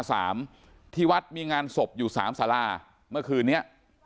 ที่สารา๓ที่วัดมีงานศพอยู่๓สาราเมื่อคืนนี้